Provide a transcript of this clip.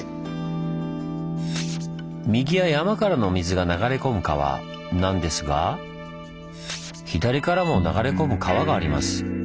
右は山からの水が流れ込む川なんですが左からも流れ込む川があります。